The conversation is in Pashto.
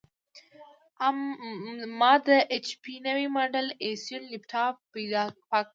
ما د ایچ پي نوي ماډل ائ سیون لېپټاپ فین پاک کړ.